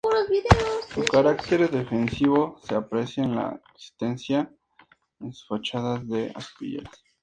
Su carácter defensivo se aprecia por la existencia en sus fachadas de aspilleras.